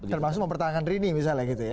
termasuk mempertahankan rini misalnya gitu ya